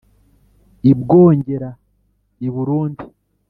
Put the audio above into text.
i bwongera: i burundi